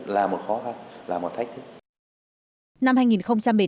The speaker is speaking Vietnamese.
là một khó khăn là một thách thức